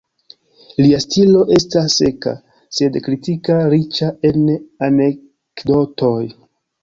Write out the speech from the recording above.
Lia stilo estas seka, sed kritika, riĉa en anekdotoj.